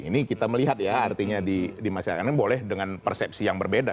ini kita melihat ya artinya di masyarakat ini boleh dengan persepsi yang berbeda